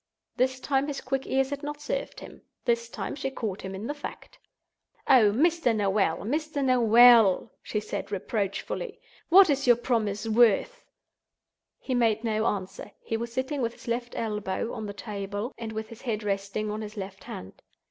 This time his quick ears had not served him; this time she caught him in the fact. "Oh, Mr. Noel! Mr. Noel!" she said, reproachfully, "what is your promise worth?" He made no answer. He was sitting with his left elbow on the table, and with his head resting on his left hand.